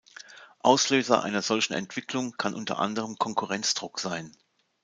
Auslöser einer solchen Entwicklung kann unter anderem Konkurrenzdruck sein.